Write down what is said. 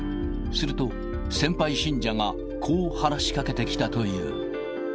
すると、先輩信者がこう話しかけてきたという。